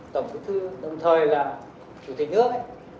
tổng bí thư đồng thời là chủ tịch nước